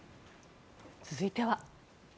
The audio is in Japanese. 続いては。